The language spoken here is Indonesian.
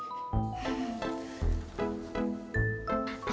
emu apa tadi